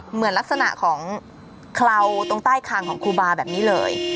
เหมือนลักษณะของเคลาตรงใต้คางของครูบาแบบนี้เลย